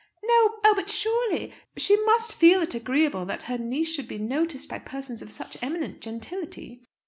"No? Oh, but surely ! She must feel it agreeable that her niece should be noticed by persons of such eminent gentility."